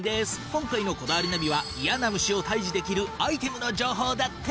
今回の『こだわりナビ』はイヤな虫を退治できるアイテムの情報だって。